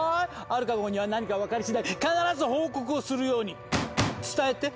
アルカ号には何か分かりしだい必ず報告をするように伝えて！